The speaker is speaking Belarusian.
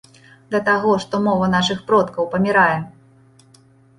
Да таго, што мова нашых продкаў памірае!